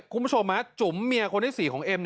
คุณผู้ชมจุ๋มเมียคนที่๔ของเอ็ม